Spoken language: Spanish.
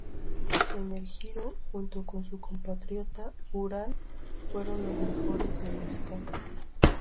En el Giro, junto con su compatriota Urán, fueron los mejores del Sky.